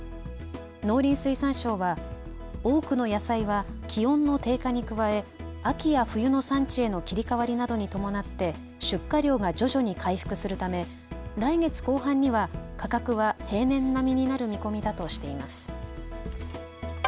農林水産省は多くの野菜は気温の低下に加え秋や冬の産地への切り替わりなどに伴って出荷量が徐々に回復するため来月後半には価格は平年並みになる見込みだとしています。